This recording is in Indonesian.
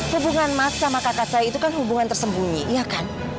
hubungan mas sama kakak saya itu kan hubungan tersembunyi iya kan